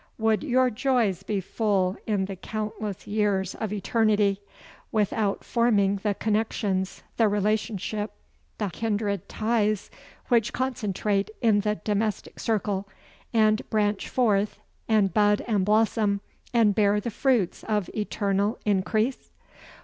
Would your joys be full in the countless years of eternity without forming the connexions, the relationship, the kindred ties which concentrate in the domestic circle, and branch forth, and bud and blossom, and bear the fruits of eternal increase?